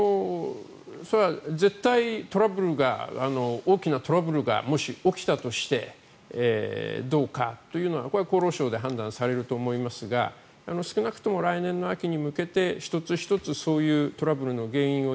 それは絶対大きなトラブルがもし起きたとしてどうかというのは厚労省で判断されると思いますが少なくとも来年の秋に向けて１つ１つそういうトラブルの原因を